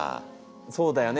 そうだよね。